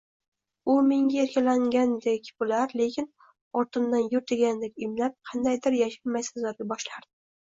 U menga erkalangandek bo‘lar, keyin ortimdan yur degandek imlab, qandaydir yashil maysazorlarga boshlardi